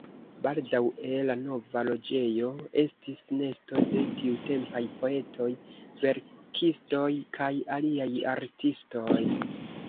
Baldaŭe la nova loĝejo estis nesto de tiutempaj poetoj, verkistoj kaj aliaj artistoj.